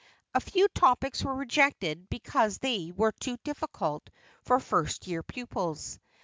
A few topics were rejected because they were too difficult for first year pupils.